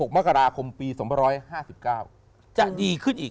มกราคมปี๒๕๙จะดีขึ้นอีก